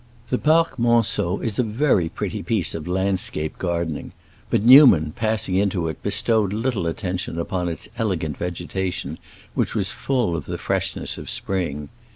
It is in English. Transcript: The Parc Monceau is a very pretty piece of landscape gardening, but Newman, passing into it, bestowed little attention upon its elegant vegetation, which was full of the freshness of spring.